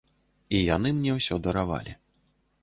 І яны мне ўсё даравалі.